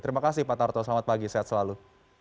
terima kasih pak tarto selamat pagi sehat selalu